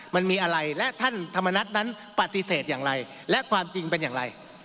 มันมีอะไรและท่านธรรมนัฐนั้นปฏิเสธอย่างไรและความจริงเป็นอย่างไร